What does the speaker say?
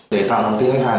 để tạo nồng tin khách hàng